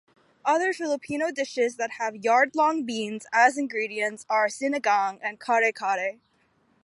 Other Filipino dishes that have yardlong beans as ingredients are "sinigang" and "kare-kare".